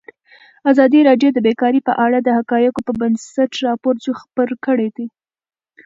ازادي راډیو د بیکاري په اړه د حقایقو پر بنسټ راپور خپور کړی.